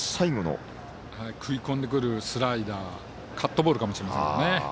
食い込んでくるスライダーカットボールかもしれません。